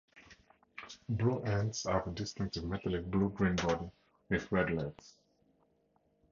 Blue ants have a distinctive metallic blue-green body, with red legs.